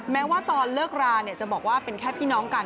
แม้ว่าตอนเลิกราจะบอกว่าเป็นแค่พี่น้องกัน